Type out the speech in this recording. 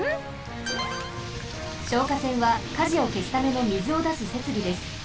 消火栓は火事をけすためのみずをだすせつびです。